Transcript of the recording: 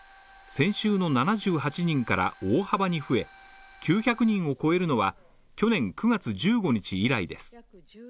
先週の７８人から大幅に増え、９００人を超えるのは去年９月１５日以来です。